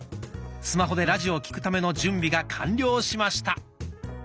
スマホでラジオを聴くための準備が完了しました。